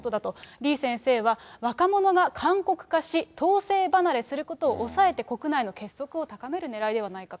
李先生は、若者が韓国化し、統制離れすることを抑えて国内の結束を高めるねらいではないかと。